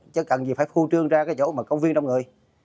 chứ cần gì phải phu trương ra cái chỗ mà công viên đông người